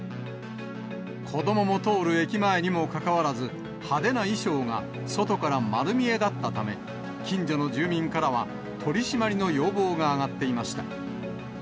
子どもも通る駅前にもかかわらず、派手な衣装が、外から丸見えだったため、近所の住民からは、取締りの要望が上がっていました。